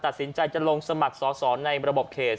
ตัดสินใจจะลงสมัครสอสอในระบบเขต